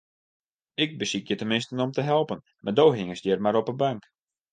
Ik besykje teminsten om te helpen, mar do hingest hjir mar op 'e bank.